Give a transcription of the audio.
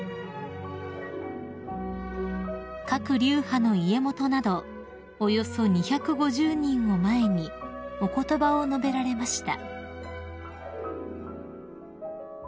［各流派の家元などおよそ２５０人を前にお言葉を述べられました］